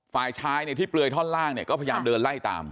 ฝ่ายชายเนี่ยที่เปลือยท่อนล่างเนี่ยก็พยายามเดินไล่ตาม